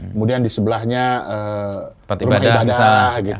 kemudian di sebelahnya rumah ibadah gitu